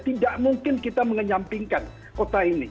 tidak mungkin kita mengenyampingkan kota ini